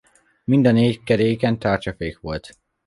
Mind a négy keréken tárcsafék volt.